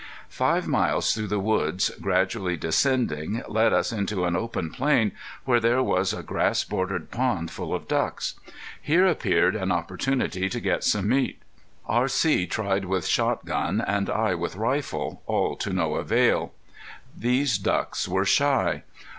Five miles through the woods, gradually descending, led us into an open plain where there was a grass bordered pond full of ducks. Here appeared an opportunity to get some meat. R.C. tried with shotgun and I with rifle, all to no avail. These ducks were shy.